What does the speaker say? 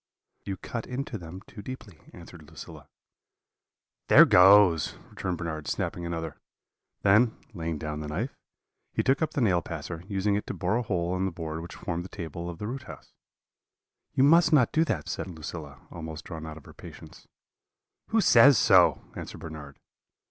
"'You cut into them too deeply,' answered Lucilla. "'There goes!' returned Bernard, snapping another; then, laying down the knife, he took up the nail passer, using it to bore a hole in the board which formed the table of the root house. "'You must not do that,' said Lucilla, almost drawn out of her patience. "'Who says so?' answered Bernard.